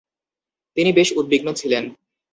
তিনি বেশ উদ্বিগ্ন ছিলেন।